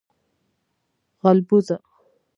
🐜 غلبوزه